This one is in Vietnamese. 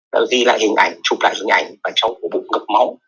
đã ghi lại hình ảnh chụp lại hình ảnh và cho bụng gập máu